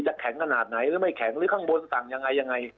แข็งขนาดไหนหรือไม่แข็งหรือข้างบนสั่งยังไงยังไง